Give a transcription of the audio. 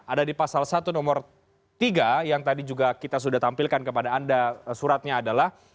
ada di pasal satu nomor tiga yang tadi juga kita sudah tampilkan kepada anda suratnya adalah